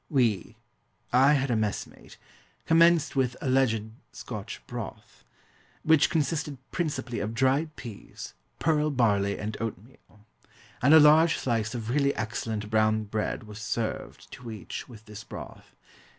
We I had a messmate commenced with (alleged) Scotch broth which consisted principally of dried peas, pearl barley, and oatmeal and a large slice of really excellent brown bread was served, to each, with this broth.